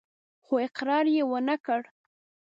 خو اقرار يې ونه کړ.